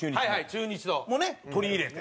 中日の。もね取り入れて。